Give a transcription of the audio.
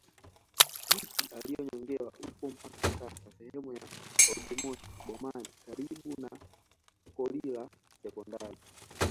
Mti aliyonyongewa upo mpaka sasa sehemu ya oldmoshi bomani karibu na kolila sekondari